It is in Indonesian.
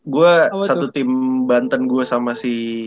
gue satu tim banten gue sama si